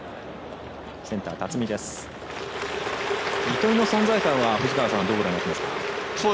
糸井の存在感は、藤川さんはどうご覧になってますか？